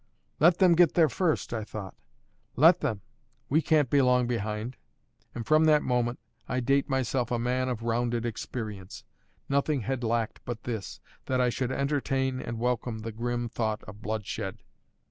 "Let them get there first!" I thought. "Let them! We can't be long behind." And from that moment, I date myself a man of a rounded experience: nothing had lacked but this, that I should entertain and welcome the grim thought of bloodshed.